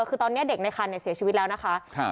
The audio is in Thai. คือตอนนี้เด็กในคันเนี่ยเสียชีวิตแล้วนะคะครับ